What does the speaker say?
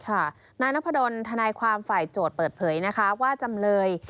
นายนพดลทนายความฝ่ายโจทย์เปิดเผยนะคะว่าจำเลย